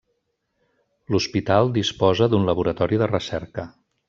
L'hospital disposa d'un laboratori de recerca.